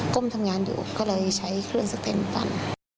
ก้มทำงานอยู่ก็เลยใช้เครื่องสเต็นฟัน